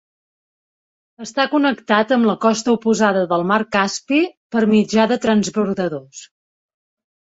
Està connectat amb la costa oposada del mar Caspi per mitjà de transbordadors.